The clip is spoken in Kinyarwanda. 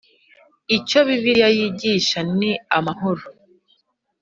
Icyo Bibiliya yigisha ni amahoro